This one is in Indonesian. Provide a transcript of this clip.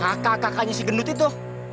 kakak kakaknya si gendut itu